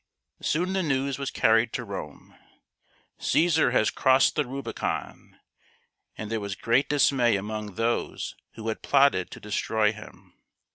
Soon the news was carried to Rome :" Caesar has crossed the Rubicon ;" and there was great dismay among those who had plotted to destroy him.